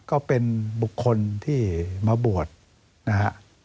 ก็เป็นบุคคลที่มาบวชนะฮะ